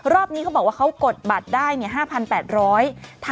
รอบนี้เค้าบอกว่าเค้ากดบัตรได้เนี่ย